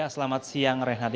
selamat siang rehnat